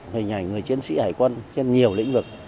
hình ảnh người chiến sĩ hải quân trên nhiều lĩnh vực